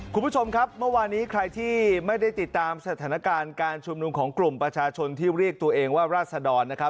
คุณผู้ชมครับเมื่อวานี้ใครที่ไม่ได้ติดตามสถานการณ์การชุมนุมของกลุ่มประชาชนที่เรียกตัวเองว่าราศดรนะครับ